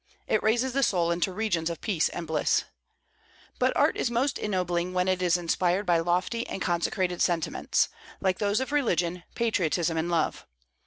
It raises the soul into regions of peace and bliss. But art is most ennobling when it is inspired by lofty and consecrated sentiments, like those of religion, patriotism, and love.